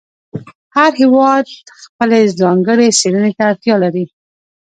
هر هېواد خپلې ځانګړې څېړنې ته اړتیا لري.